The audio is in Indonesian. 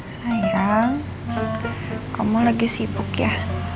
sayang kamu lagi sibuk ya